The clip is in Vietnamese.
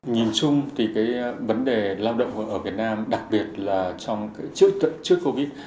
nhìn chung thì cái vấn đề lao động ở việt nam đặc biệt là trước covid